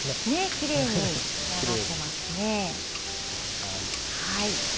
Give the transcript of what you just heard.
きれいに仕上がってますね。